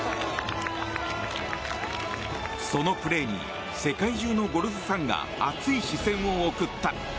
そのプレーに世界中のゴルフファンが熱い視線を送った。